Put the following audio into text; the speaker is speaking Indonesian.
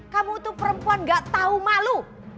kamu tuh perempuan gak tahu malu